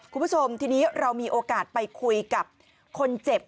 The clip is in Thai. คุณผู้ชมทีนี้เรามีโอกาสไปคุยกับคนเจ็บ